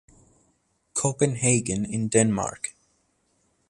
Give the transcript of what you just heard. Copenhagen in Denmark.